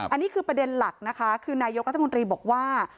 อันนี้คือประเด็นหลักนะคะคือนายกรัฐมนตรีบอกว่า